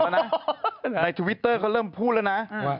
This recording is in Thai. ในทวิตเตอร์ก็เริ่มพูดแล้วนะ